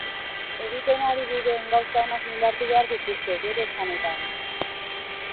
Egiten ari diren gauza onak indartu behar dituzte, bere esanetan.